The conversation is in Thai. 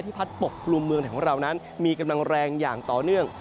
พัดปกกลุ่มเมืองไทยของเรานั้นมีกำลังแรงอย่างต่อเนื่อง